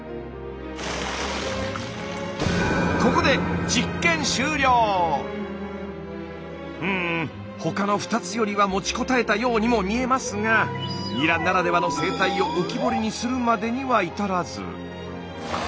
ここでうん他の２つよりは持ちこたえたようにも見えますがニラならではの生態を浮き彫りにするまでには至らず。